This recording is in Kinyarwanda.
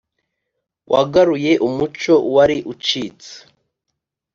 wagaruye umuco wari ucitse